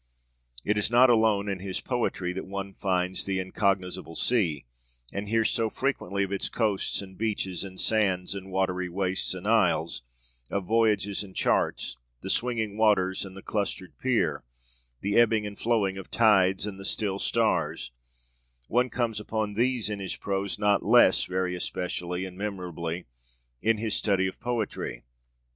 It is not alone in his poetry that one finds the 'incognizable sea,' and hears so frequently of its coasts and beaches and sands and watery wastes and isles; of voyages and charts; the 'swinging waters and the clustered pier'; the ebbing and flowing of tides; and the still stars: one comes upon these in his prose not less, very especially and memorably in his Study of Poetry.